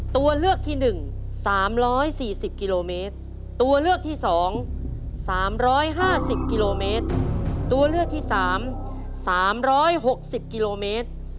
ตัวเลือกที่๑๓๔๐กิโลเมตรตัวเลือกที่๒๓๕๐กิโลเมตรตัวเลือกที่๓๓๖๐กิโลเมตร